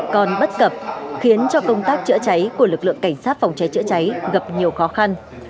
còn bất cập khiến cho công tác chữa cháy của lực lượng cảnh sát phòng cháy chữa cháy gặp nhiều khó khăn